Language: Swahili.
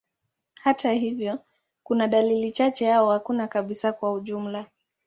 Hata hivyo, kuna dalili chache au hakuna kabisa kwa ujumla.